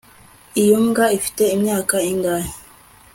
iyo mbwa ifite imyaka ingahe